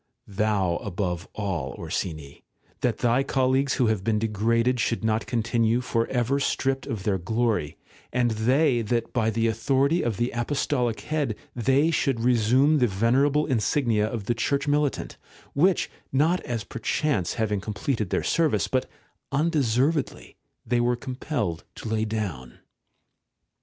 Thou above all, Orsini, that thy colleagues who have been , degraded should not continue for ever stripped of their glory ; and they, that by the authority of the Apostolic Head they should resume the venerable insignia of the Church Militant, which, not as perchance having com pleted their service, but undeservedly, they were com pelled to lay down.